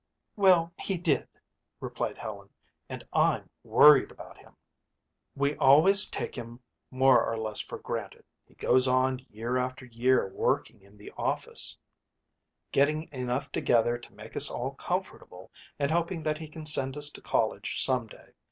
"Well, he did," replied Helen, "and I'm worried about him." "We always take him more or less for granted. He goes on year after year working in the office, getting enough together to make us all comfortable and hoping that he can send us to college some day.